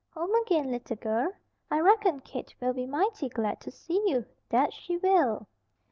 "Home again, little girl. I reckon Kate will be mighty glad to see you, that she will."